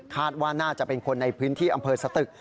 ว่าน่าจะเป็นคนในพื้นที่อำเภอสตึก